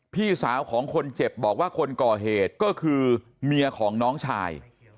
พี่สาวของคนเจ็บบอกว่าคนก่อเหตุก็คือเมียของน้องชาย